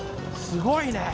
すごいね！